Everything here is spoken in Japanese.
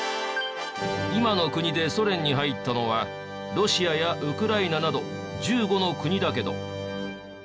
今の国でソ連に入ったのはロシアやウクライナなど１５の国だけど。